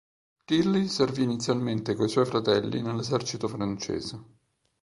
Tilly servì inizialmente coi suoi fratelli nell'esercito francese.